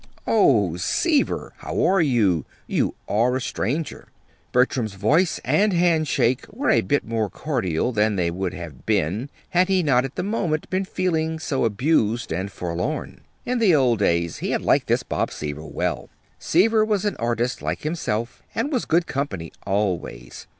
"Oh, Seaver! How are you? You are a stranger!" Bertram's voice and handshake were a bit more cordial than they would have been had he not at the moment been feeling so abused and forlorn. In the old days he had liked this Bob Seaver well. Seaver was an artist like himself, and was good company always.